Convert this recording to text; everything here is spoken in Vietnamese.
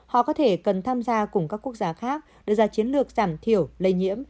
họ có thể cần tham gia cùng các quốc gia khác đưa ra chiến lược giảm thiểu lây nhiễm